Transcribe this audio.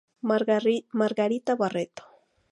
Margarita Barreto.